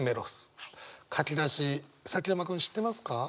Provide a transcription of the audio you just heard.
書き出し崎山君知ってますか？